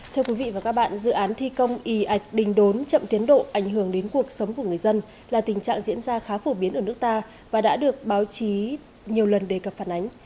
thưa quý vị và các bạn dự án thi công y ạch đình đốn chậm tiến độ ảnh hưởng đến cuộc sống của người dân là tình trạng diễn ra khá phổ biến ở nước ta và đã được báo chí nhiều lần đề cập phản ánh